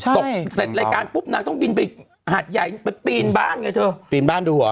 ตกเสร็จรายการปุ๊บนางต้องบินไปหาดใหญ่ไปปีนบ้านไงเธอปีนบ้านดูเหรอ